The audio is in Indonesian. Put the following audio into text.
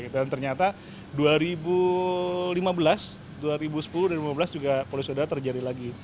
dan ternyata dua ribu lima belas dua ribu sepuluh dan dua ribu lima belas juga polusi udara terjadi lagi